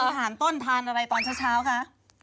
อาหารต้นทานอะไรตอนเช้าคะ